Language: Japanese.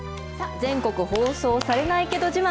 全国放送されないけど自慢。